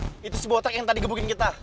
jer itu si botak yang tadi gebukin kita